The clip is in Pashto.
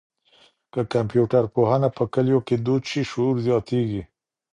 که کمپيوټر پوهنه په کلیو کي دود شي، شعور زیاتېږي.